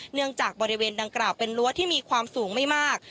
เนื่องจากบริเวณดังกล่าวเป็นรั้วที่มีความสูงไม่มาก